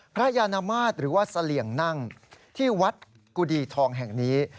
พระยานมาตรหรือว่าเสลี่ยงนั่งที่วัดกุดีทองแห่งนี้